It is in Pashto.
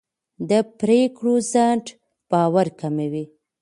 د پرېکړو ځنډ باور کموي